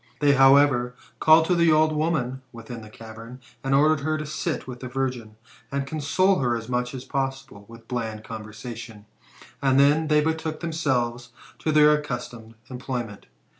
They, however, caUed to the old woman within the cavern, and ordered her to sit with the virgin, and console her as much as possible with bland conversation ; and then they betook themselves to their accustomed employment.